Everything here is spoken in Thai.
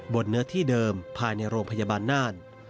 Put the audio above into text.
เนื้อที่เดิมภายในโรงพยาบาลน่าน